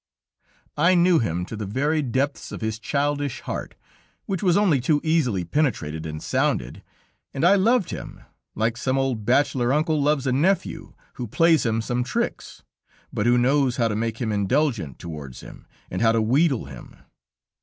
"I knew him to the very depths of his childish heart, which was only too easily penetrated and sounded, and I loved him like some old bachelor uncle loves a nephew who plays him some tricks, but who knows how to make him indulgent towards him, and how to wheedle him.